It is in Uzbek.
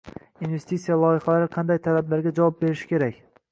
investitsiya loyihalari qanday talablarga javob berishi kerak?